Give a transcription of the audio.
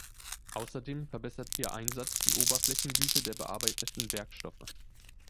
Außerdem verbessert ihr Einsatz die Oberflächengüte der bearbeiteten Werkstoffe.